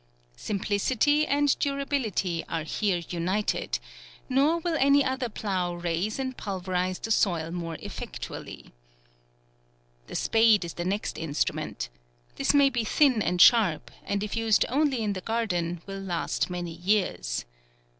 Simplicity and durability are here united ; nor will any other plough raise and pulverize the soil more effectually. The spade is the next instrument. This may be thin and sharp, and if used only in the garden, will last many years.